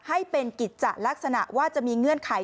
ให้เป็นกิจจะลักษณะว่าจะมีเงื่อนไข